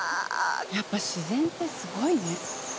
やっぱ自然ってすごいね。